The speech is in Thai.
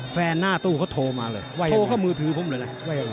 หน้าตู้เขาโทรมาเลยโทรเข้ามือถือผมเลยนะ